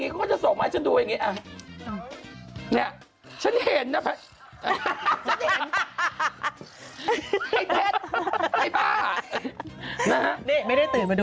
มีใครมาส่งเพราะหน้ากลัว